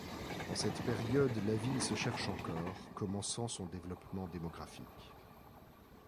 En cette période, la ville se cherche encore, commençant son développement démographique.